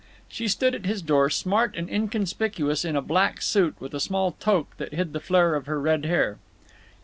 She stood at his door, smart and inconspicuous in a black suit with a small toque that hid the flare of her red hair.